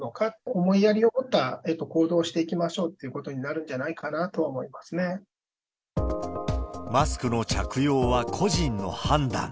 思いやりを持った行動をしていきましょうということになるんじゃマスクの着用は個人の判断。